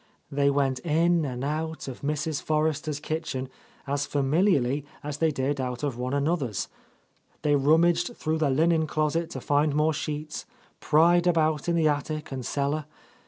They went in and out of Mrs. Forrester's kitchen as familiarly as they did out of one an other's. They rummaged through the linen closet to find more sheets, pried about in the attic and cellar.